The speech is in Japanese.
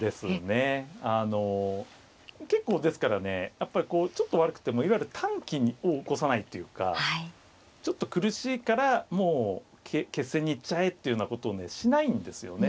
やっぱりこうちょっと悪くてもいわゆる短気を起こさないというかちょっと苦しいからもう決戦に行っちゃえっていうようなことをねしないんですよね。